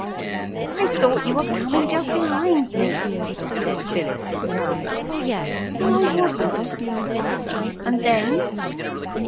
'I thought you were coming just behind me,' said Philip, frowning. 'Well, I wasn't.' 'And then.'